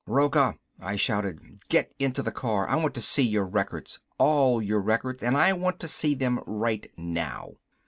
"Rocca!" I shouted. "Get into the car. I want to see your records all of your records and I want to see them right now."